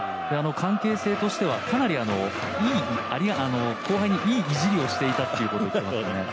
関係性としてはかなりいい後輩にいいいじりをしていたと言っていましたね